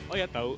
oh ya tahu